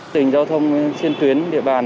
tình giao thông trên tuyến địa bàn